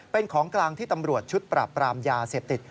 เป็นของกลางที่ตำรวจชุดปราบปรามยาเสพติด